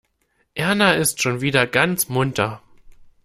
Erna ist schon wieder ganz munter.